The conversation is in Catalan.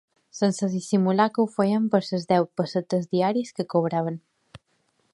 Sense dissimular que ho feien per les deu pessetes diàries que cobraven